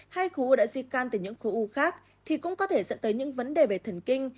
hay khổ u đã di can từ những khổ u khác thì cũng có thể dẫn tới những vấn đề về thần kinh